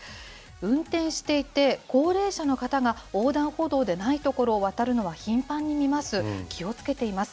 運転していて、高齢者の方が横断歩道でない所を渡るのは、頻繁に見ます。